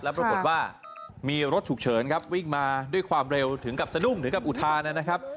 ปรากฏว่ามีรถฉุกเฉินครับวิ่งมาด้วยความเร็วถึงกับสะดุ้งถึงกับอุทานนะครับ